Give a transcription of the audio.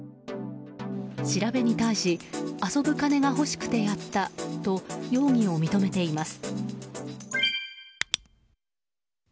調べに対し遊ぶ金が欲しくてやったと容疑を認めています。